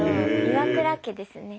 岩倉家ですね。